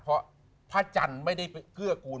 เพราะพระจันทร์ไม่ได้เกื้อกูล